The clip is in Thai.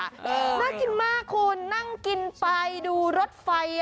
น่ากินมากคุณนั่งกินไปดูรถไฟ